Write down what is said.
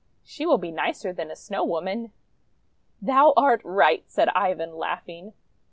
She will be nicer than a Snow Woman!'1 "Thou art right!" said Ivan, laughing.